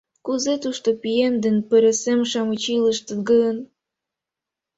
— Кузе тушто пием ден пырысем-шамыч илыштыт гын?